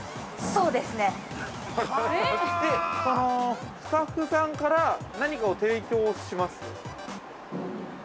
◆そのスタッフさんから何かを提供します？